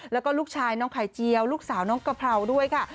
แล้วก็ลูกชายน้องไข่เจียวลูกสาวน้องกะเพราด้วยค่ะ